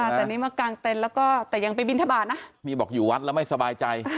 แต่นี่มากางเต็นต์แล้วก็แต่ยังไปบินทบาทนะนี่บอกอยู่วัดแล้วไม่สบายใจ